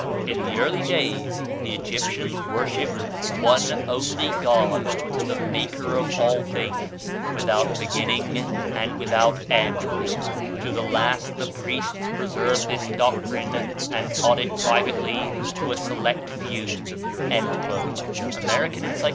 "In the early days the Egyptians worshipped one only God, the maker of all things, without beginning and without end. To the last the priests preserved this doctrine and taught it privately to a select few." ("Amer. Encycl.